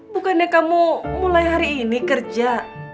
bukannya kamu mulai hari ini kerja